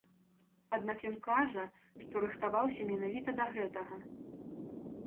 Аднак ён кажа, што рыхтаваўся менавіта да гэтага.